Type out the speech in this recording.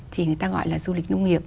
thì người ta gọi là du lịch nông nghiệp